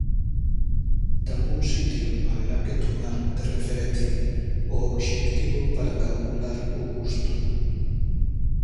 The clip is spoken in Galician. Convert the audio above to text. Dalgún sitio haberá que tomar de referencia o obxectivo para calcular o custo.